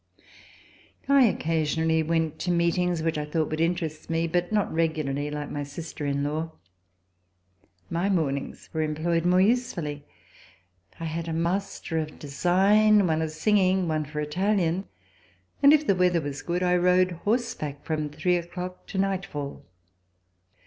I occasionally went to meetings which I thought would interest me, but not regularly like my sister in law. My mornings were employed more usefully. I had a master of design, one of singing, one for Italian and, if the weather was good, I rode horse back from three o'clock to nightfall.